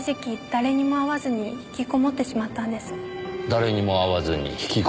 誰にも会わずに引きこもってしまった。